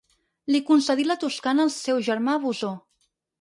Li concedí la Toscana al seu germà Bosó.